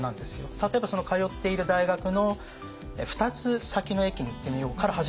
例えば通っている大学の２つ先の駅に行ってみようから始めても全然いいと思っていて。